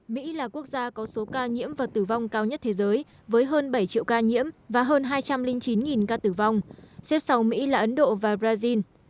mỹ là quốc gia có số ca nhiễm và tử vong cao nhất thế giới với hơn bảy triệu ca nhiễm và hơn hai trăm linh chín ca tử vong xếp sau mỹ là ấn độ và brazil